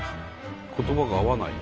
言葉が合わないね。